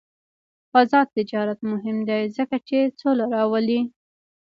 آزاد تجارت مهم دی ځکه چې سوله راولي.